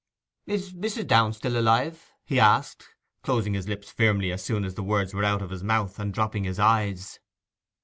'Is Mrs. Downe still alive?' he asked, closing his lips firmly as soon as the words were out of his mouth, and dropping his eyes.